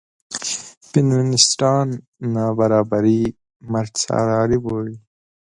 فیمینېستان نابرابري مردسالاري بولي.